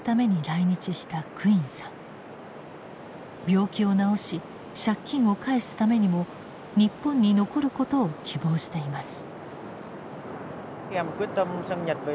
病気を治し借金を返すためにも日本に残ることを希望しています。